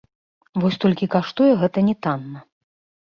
Вось толькі каштуе гэта не танна.